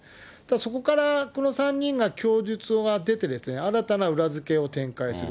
そこからこの３人が、供述が出て、新たな裏付けを展開する。